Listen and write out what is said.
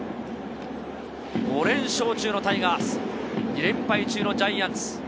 ５連勝中のタイガース、２連敗中のジャイアンツ。